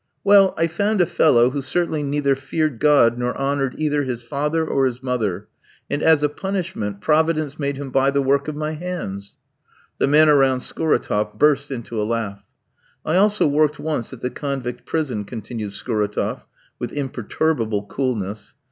"Well, I found a fellow who certainly neither feared God nor honoured either his father or his mother, and as a punishment, Providence made him buy the work of my hands." The men around Scuratoff burst into a laugh. "I also worked once at the convict prison," continued Scuratoff, with imperturbable coolness.